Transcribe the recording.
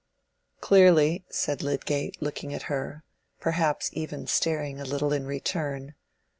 "Clearly," said Lydgate, looking at her—perhaps even staring a little in return.